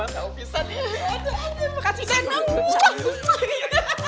bisa di buka bisa di buka